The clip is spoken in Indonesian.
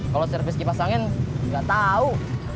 kalau servis kipas angin gak tau